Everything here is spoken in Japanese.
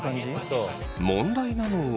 問題なのは。